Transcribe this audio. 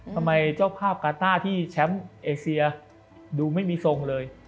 เจ้าภาพกาต้าที่แชมป์เอเซียดูไม่มีทรงเลย